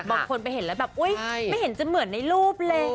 บางคนไปเห็นแล้วแบบอุ๊ยไม่เห็นจะเหมือนในรูปเลย